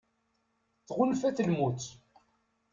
Tɣunfa-t lmut.